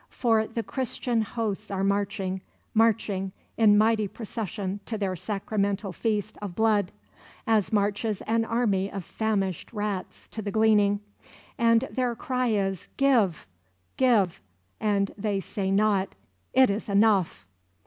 For the Christian hosts are marching, marching in mighty procession to their sacramental feast of blood, as marches an army of famished rats to the gleaning; and their cry is: "Give! Give!" and they say not: "It is enough."